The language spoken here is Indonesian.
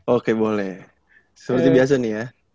oke boleh seperti biasa nih ya